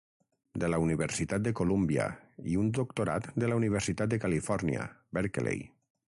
de la Universitat de Columbia, i un doctorat de la Universitat de Califòrnia, Berkeley.